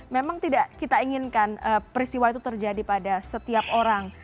memang tidak kita inginkan peristiwa itu terjadi pada setiap orang